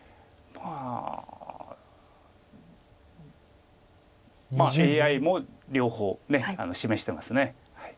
まあＡＩも両方示してます。